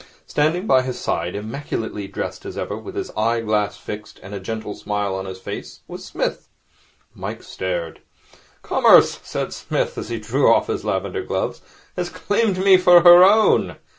Standing by his side, immaculately dressed as ever, with his eye glass fixed and a gentle smile on his face, was Psmith. Mike stared. 'Commerce,' said Psmith, as he drew off his lavender gloves, 'has claimed me for her own.